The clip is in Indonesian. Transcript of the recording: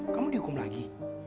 kamu dihukum lagi